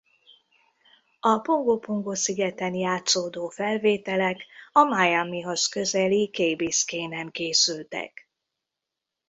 A Pongo Pongo szigeten játszódó felvételek a Miamihoz közeli Key Biscayne-en készültek.